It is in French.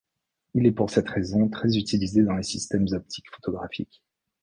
Il est pour cette raison très utilisé dans les systèmes optiques photographiques.